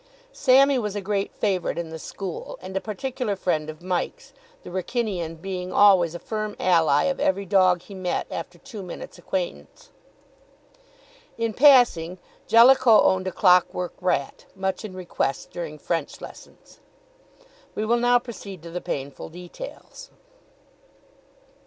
Sammy was a great favourite in the school, and a particular friend of Mike's, the Wrykynian being always a firm ally of every dog he met after two minutes' acquaintance. In passing, Jellicoe owned a clock work rat, much in request during French lessons. We will now proceed to the painful details.